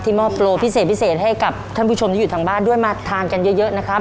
มอบโปรพิเศษพิเศษให้กับท่านผู้ชมที่อยู่ทางบ้านด้วยมาทานกันเยอะนะครับ